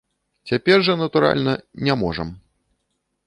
Цяпер жа, натуральна, не можам.